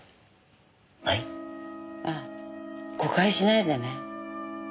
あ誤解しないでね。